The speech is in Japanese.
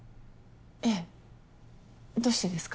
ええどうしてですか？